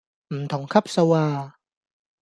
唔同級數呀